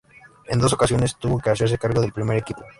En dos ocasiones tuvo que hacerse cargo del primer equipo.